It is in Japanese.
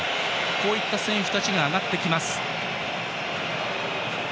こういった選手たちが上がってきました。